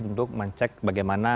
untuk mencek bagaimana